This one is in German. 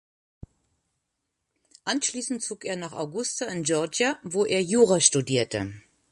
Anschließend zog er nach Augusta in Georgia, wo er Jura studierte.